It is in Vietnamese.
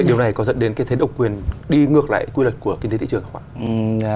điều này có dẫn đến cái thế độc quyền đi ngược lại quy luật của kinh tế thị trường không ạ